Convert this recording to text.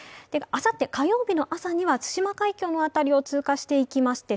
あさって火曜日の朝には対馬海峡の辺りを通過していきまして